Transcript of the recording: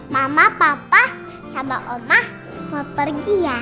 mama papa sama oma mau pergi ya